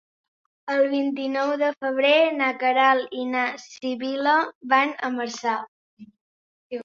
El vint-i-nou de febrer na Queralt i na Sibil·la van a Marçà.